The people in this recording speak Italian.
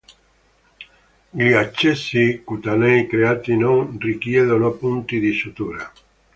Gli accessi cutanei creati non richiedono punti di sutura.